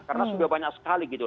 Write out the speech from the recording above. karena sudah banyak sekali gitu